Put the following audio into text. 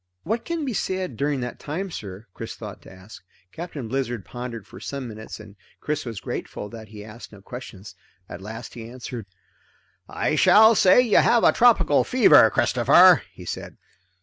What can be said during that time, sir?" Chris thought to ask. Captain Blizzard pondered for some minutes, and Chris was grateful that he asked no questions. At last he answered. "I shall say you have a tropical fever, Christopher," he said.